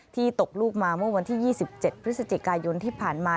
ตกลูกมาเมื่อวันที่๒๗พฤศจิกายนที่ผ่านมา